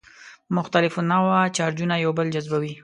مختلف النوع چارجونه یو بل جذبوي.